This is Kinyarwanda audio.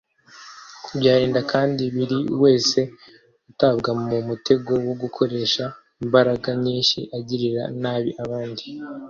Byarinda kandi biri wese kutagwa mu mutego wo gukoresha imbaraga nyinshi agirira nabi abandi